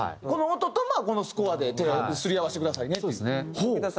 この音とこのスコアですり合わせてくださいねって。